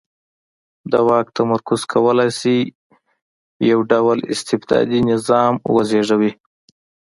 د واک تمرکز کولای شي یو ډ ول استبدادي نظام وزېږوي.